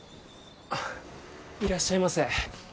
いらっしゃいませ。